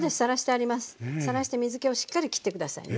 さらして水けをしっかりきって下さいね。